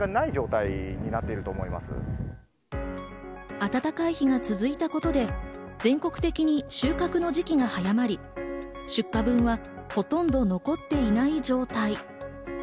暖かい日が続いたことで、全国的に収穫の時期が早まり、出荷分はほとんど残っていない状態。